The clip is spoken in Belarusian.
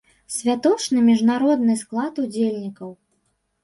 Святочны міжнародны склад удзельнікаў.